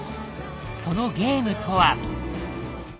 そのゲームとは？